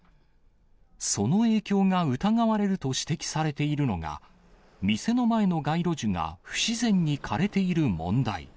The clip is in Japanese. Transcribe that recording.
その影響が疑われると指摘されているのが、店の前の街路樹が不自然に枯れている問題。